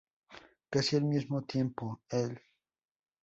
Casi al mismo tiempo, el Dr.